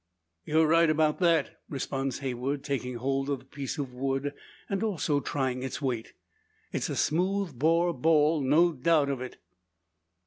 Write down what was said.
"You're right about that," responds Heywood, taking hold of the piece of wood, and also trying its weight. "It's a smooth bore ball no doubt of it."